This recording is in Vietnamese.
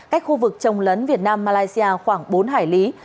cách khu vực trồng lấn việt nam malaysia khoảng bốn hải lý